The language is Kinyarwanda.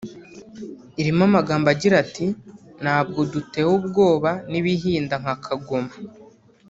Irimo amagambo agira ati “Nabwo dutewe ubwona n’ ibihinda nka kagoma